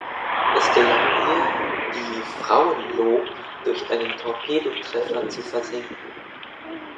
Es gelang ihr, die "Frauenlob" durch einen Torpedotreffer zu versenken.